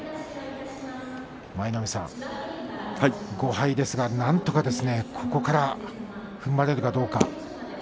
舞の海さん５敗ですがなんとかここからふんばれるかどうか。